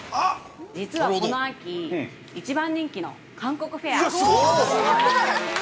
◆実はこの秋、一番人気の韓国フェアが開催されます。